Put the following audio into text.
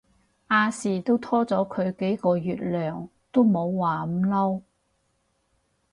亞視都拖咗佢幾個月糧都冇話唔撈